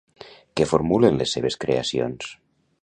Què formulen les seves creacions?